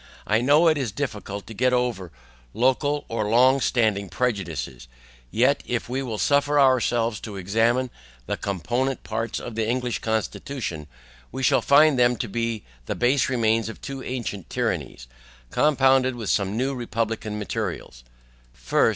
I know it is difficult to get over local or long standing prejudices, yet if we will suffer ourselves to examine the component parts of the English constitution, we shall find them to be the base remains of two ancient tyrannies, compounded with some new republican materials. FIRST.